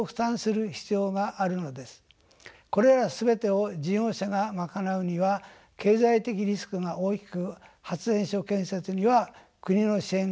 これら全てを事業者が賄うには経済的リスクが大きく発電所建設には国の支援が重要です。